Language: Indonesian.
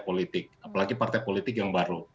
politik apalagi partai politik yang baru